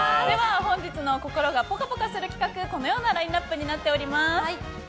本日の心がぽかぽかする企画はこのようなラインアップになっています。